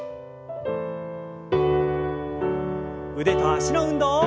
腕と脚の運動。